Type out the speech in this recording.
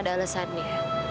ada alasan nih ya